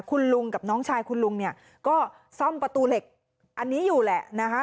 คุณลุงกับน้องชายคุณลุงเนี่ยก็ซ่อมประตูเหล็กอันนี้อยู่แหละนะคะ